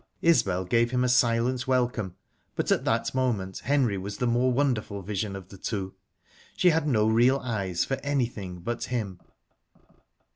Isbel gave him a silent welcome, but at that moment Henry was the more wonderful vision of the two. She had no real eyes for anything but him.